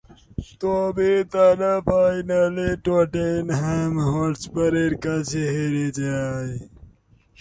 তবে তারা ফাইনালে টটেনহ্যাম হটস্পারের কাছে হেরে যায়।